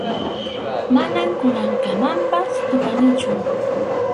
Manam kunankamapas tupanichu.